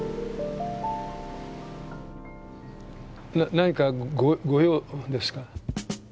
何かご用ですか？